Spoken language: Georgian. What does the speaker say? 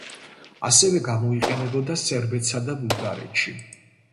ასევე გამოიყენებოდა სერბეთსა და ბულგარეთში.